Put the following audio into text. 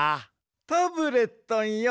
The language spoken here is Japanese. タブレットンよ。